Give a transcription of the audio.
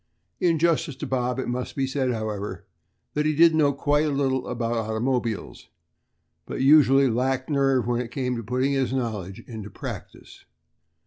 In justice to Bob, it must be said, however, that he did know quite a little about automobiles, but usually lacked nerve when it came to putting his knowledge into practice.